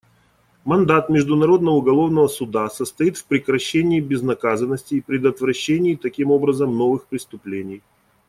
Мандат Международного уголовного суда состоит в прекращении безнаказанности и предотвращении, таким образом, новых преступлений.